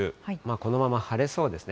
このまま晴れそうですね。